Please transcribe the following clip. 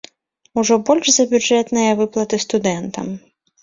Ужо больш за бюджэтныя выплаты студэнтам.